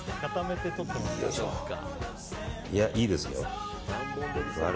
いや、いいですよ。